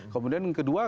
kemudian yang kedua